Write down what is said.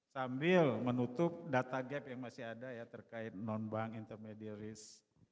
sambil menutup data gap yang masih ada ya terkait non bank intermedia risk